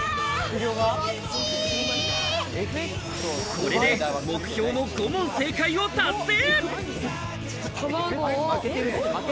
これで目標の５問正解を達成。